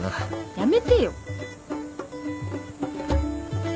やめてよ。